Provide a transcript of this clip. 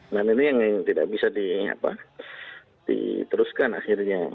dan ini yang tidak bisa diteruskan akhirnya